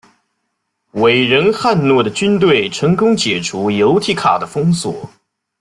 伟人汉诺的军队成功解除由提卡的封锁。